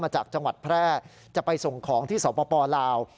จากจังหวัดแพร่จะไปส่งของที่สปลาว